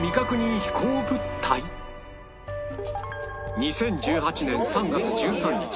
２０１８年３月１３日